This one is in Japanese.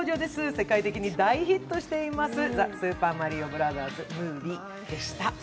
世界的に大ヒットしています「ザ・スーパーマリオブラザーズ・ムービー」でした。